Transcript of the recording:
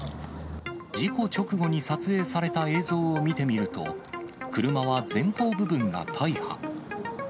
事故直後に撮影された映像を見てみると、車は前方部分が大破。